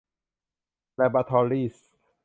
แลบอราทอรีส์